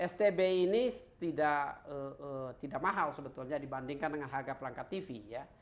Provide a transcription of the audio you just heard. stb ini tidak mahal sebetulnya dibandingkan dengan harga perangkat tv ya